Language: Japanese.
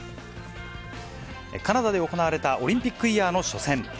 カナダで行われたオリンピックイヤーの初戦。